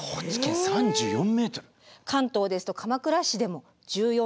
関東ですと鎌倉市でも１４．５ｍ。